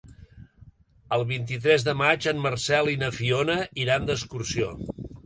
El vint-i-tres de maig en Marcel i na Fiona iran d'excursió.